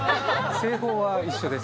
製法は一緒です。